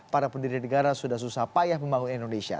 para pendiri negara sudah susah payah membangun indonesia